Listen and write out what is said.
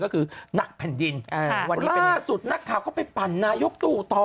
ก็คือนักแผ่นดินค่ะล่าสุดนักข่าวก็ไปปั่นนายกตู้ต่อ